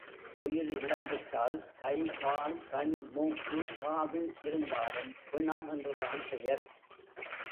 உயிர் இல்லாவிட்டால், கை, கால், கண், மூக்கு, காது இருந்தாலும் பிணம் என்றுதான் பெயர்.